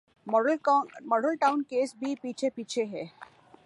Model Town case بھی پیچھے پیچھے ہے۔